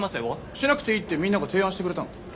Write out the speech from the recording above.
しなくていいってみんなが提案してくれたの。